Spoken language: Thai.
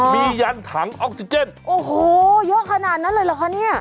มียันถังออกซิเจนโอ้โหเยอะขนาดนั้นเลยเหรอคะเนี่ย